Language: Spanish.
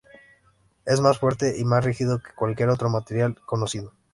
Es más fuerte y más rígido que cualquier otro material conocido.